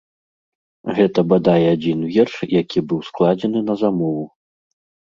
Гэта бадай адзін верш, які быў складзены на замову.